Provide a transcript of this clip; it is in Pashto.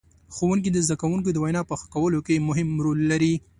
ښوونکي د زدهکوونکو د وینا په ښه کولو کې مهم رول لري.